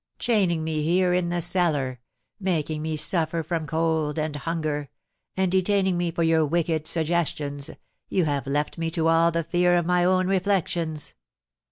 Chaining me here in the cellar, making me suffer from cold and hunger, and detaining me for your wicked suggestions, you have left me to all the fear of my own reflections.